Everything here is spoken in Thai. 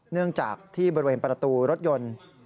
เนื่องจากที่บริเวณประตูรถยนต์